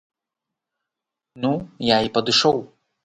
Ну, я і падышоў.